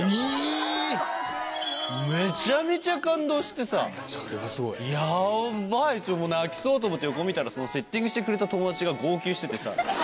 めちゃめちゃ感動してさ、やばいって、泣きそうと思って、横見たらセッティングしてくれた友達が号泣しててさ。